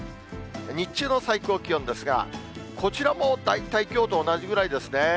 日中の最高気温ですが、こちらも大体きょうと同じぐらいですね。